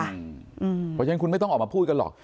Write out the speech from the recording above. เพราะฉะนั้นคุณไม่ต้องออกมาพูดกันหรอก